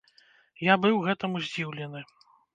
Я быў гэтаму здзіўлены.